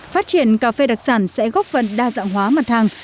phát triển cà phê đặc sản sẽ góp phần đa dạng hóa mặt hàng